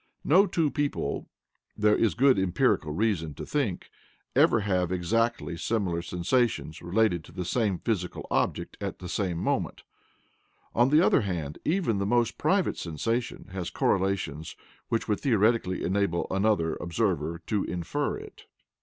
No two people, there is good empirical reason to think, ever have exactly similar sensations related to the same physical object at the same moment; on the other hand, even the most private sensation has correlations which would theoretically enable another observer to infer it.